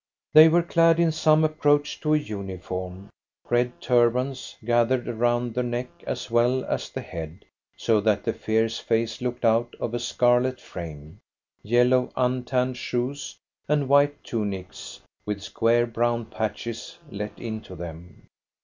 They were clad in some approach to a uniform, red turbans gathered around the neck as well as the head, so that the fierce face looked out of a scarlet frame; yellow, untanned shoes, and white tunics with square brown patches let into them.